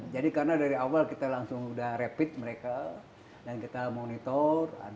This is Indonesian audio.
jadi karena dari awal kita langsung sudah rapid mereka dan kita monitor